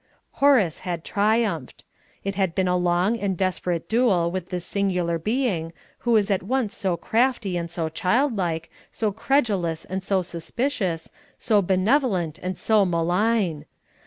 Horace had triumphed. It had been a long and desperate duel with this singular being, who was at once so crafty and so childlike, so credulous and so suspicious, so benevolent and so malign.